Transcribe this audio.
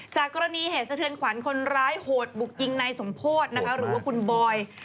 จากกรณีเหตุสะเทือนขวัญคนร้ายโหดบุกยิงในสมโพธินะคะหรือว่าคุณบอย